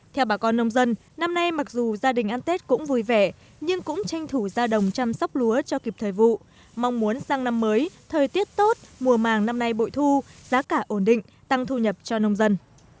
theo bà con nông dân năm nay mặc dù gia đình ăn tết cũng vui vẻ nhưng cũng tranh thủ ra đồng chăm sóc lúa cho kịp thời vụ mong muốn sang năm mới thời tiết tốt mùa màng năm nay bội thu giá cả ổn định tăng thu nhập cho nông dân